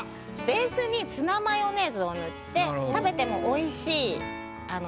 ベースにツナマヨネーズを塗って食べても美味しい。